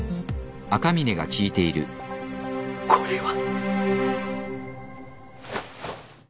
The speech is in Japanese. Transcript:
これは。